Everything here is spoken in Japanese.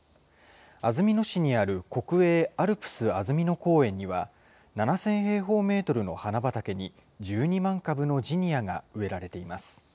安曇野市にある国営アルプスあづみの公園には、７０００平方メートルの花畑に、１２万株のジニアが植えられています。